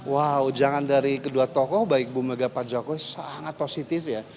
wah ujangan dari kedua tokoh baik bumegang dan pak jokowi sangat positif ya